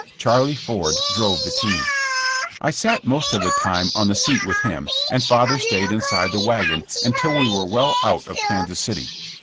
Charlie Ford drove the team. I sat most of the time on the seat with him, and father stayed inside the wagon until we were well out of Kansas City.